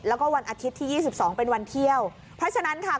แล้วก็วันอาทิตย์ที่ยี่สิบสองเป็นวันเที่ยวเพราะฉะนั้นค่ะ